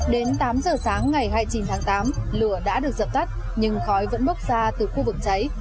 đến tám giờ sáng ngày hai mươi chín tháng tám lửa đã được dập tắt nhưng khói vẫn bốc ra từ khu vực cháy